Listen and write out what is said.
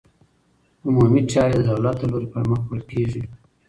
عمومي چارې د دولت له لوري پرمخ وړل کېږي.